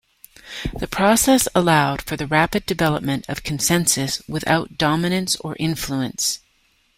The process allowed for the rapid development of consensus without dominance or influence.